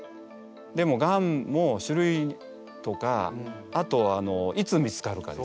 でもガンも種類とかあといつ見つかるかですよね。